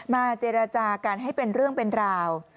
เจรจากันให้เป็นเรื่องเป็นราว